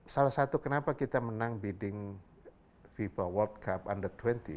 salah satu kenapa kita menang bidding fiba world cup under dua puluh